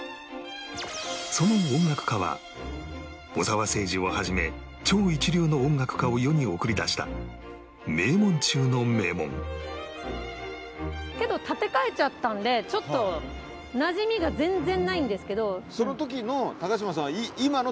その音楽科は小澤征爾を始め超一流の音楽家を世に送り出した名門中の名門けど建て替えちゃったんでちょっとなじみが全然ないんですけど。